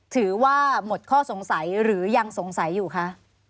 ถือว่าหมดข้อสงสัยหรือยังสงสัยอยู่คะ